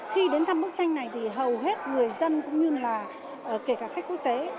khi đến thăm bức tranh này thì hầu hết người dân cũng như là kể cả khách quốc tế